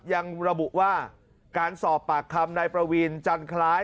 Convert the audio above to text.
ยังระบุว่าการสอบปากคำนายประวีนจันคล้าย